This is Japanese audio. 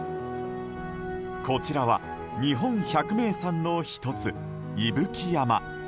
こちらは、日本百名山の１つ伊吹山。